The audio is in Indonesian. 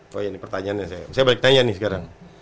saya balik tanya nih sekarang